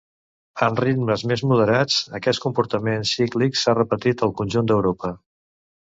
Amb ritmes més moderats, aquest comportament cíclic s'ha repetit al conjunt d'Europa.